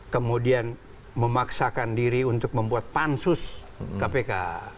kemudian memaksakan diri untuk membuat pansus kpk